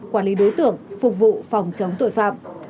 quản lý đối tượng phục vụ phòng chống tội phạm